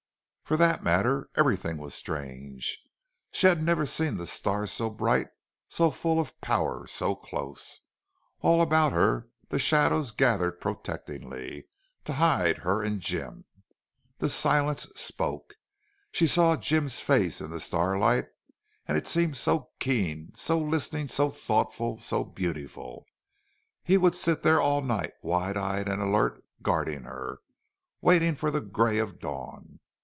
For that matter, everything was strange. She had never seen the stars so bright, so full of power, so close. All about her the shadows gathered protectingly, to hide her and Jim. The silence spoke. She saw Jim's face in the starlight and it seemed so keen, so listening, so thoughtful, so beautiful. He would sit there all night, wide eyed and alert, guarding her, waiting for the gray of dawn.